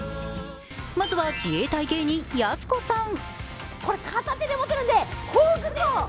まずは自衛隊芸人、やす子さん。